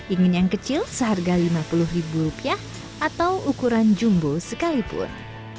ingin yang kecil seharga lima puluh ribu rupiah atau ukuran jumbo sekalipun